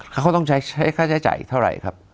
เขาต้องใช้ค่าใช้จ่ายเท่าไหร่ครับ